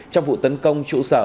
trong vụ tấn công trụ sở